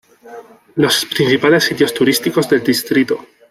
Los principales sitios turísticos del distrito